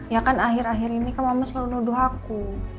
ya kan akhir akhir ini kamu selalu nuduh aku